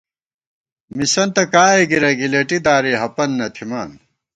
مسَنتہ کائے گِرَئی گِلېٹی دالی ہپَن نہ تھِمان